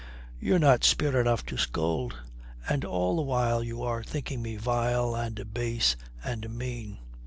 You've not spirit enough to scold, and all the while you are thinking me vile and base and mean."